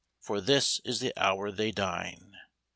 For this is the hour they dine.